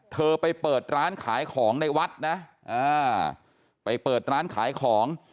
เธอไปเปิดร้านขายของในวัดนะไปเปิดร้านขายของ